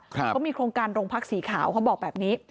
เขามีโครงการโรงพักสีขาวเขาบอกแบบนี้